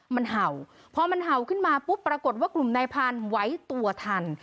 มันเห่าพอมันเห่าขึ้นมาปุ๊บปรากฏว่ากลุ่มนายพันธุ์ไว้ตัวทัน